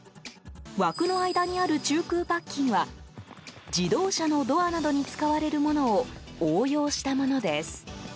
枠の間にある中空パッキンは自動車のドアなどに使われるものを応用したものです。